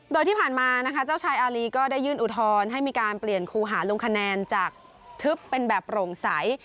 โดยที่ผ่านมานะคะเจ้าชายอารีก็ได้ยื่นอุทธรณ์ให้มีการเปลี่ยนครูหาลงคะแนนจากทึบเป็นแบบโปร่งใส